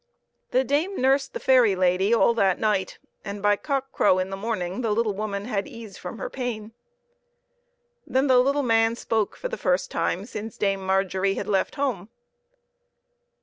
The dame nursed the fairy lady all that night, and by cock crow in the morning the little woman had ease from her pain. Then the little man spoke for the first time since Dame Margery had left home.